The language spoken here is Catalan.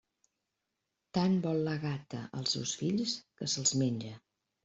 Tant vol la gata els seus fills, que se'ls menja.